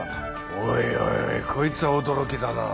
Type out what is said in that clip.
おいおいこいつは驚きだな。